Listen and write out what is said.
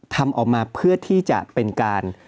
ทำออกมาเพื่อที่จะเป็นการ